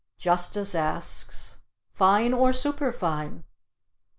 Justice asks: "Fine or Superfine?"